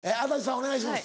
お願いします。